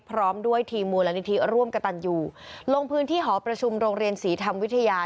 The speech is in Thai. พร้อมด้วยทีมมูลนิธิร่วมกระตันอยู่ลงพื้นที่หอประชุมโรงเรียนศรีธรรมวิทยา